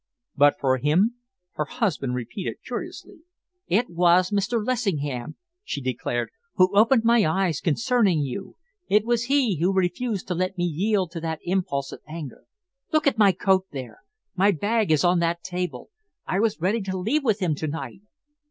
"But for him," her husband repeated curiously. "It was Mr. Lessingham," she declared, "who opened my eyes concerning you. It was he who refused to let me yield to that impulse of anger. Look at my coat there. My bag is on that table. I was ready to leave with him to night.